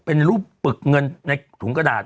เป็นรูปปึกเงินในถุงกระดาษ